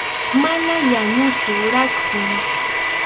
Mana ñañuchu, rakhun.